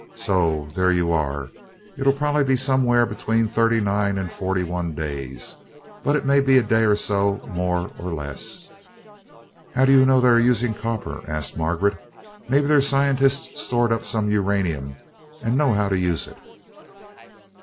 So there you are it'll probably be somewhere between thirty nine and forty one days, but it may be a day or so more or less." "How do you know they are using copper?" asked Margaret. "Maybe their scientists stored up some uranium and know how to use it."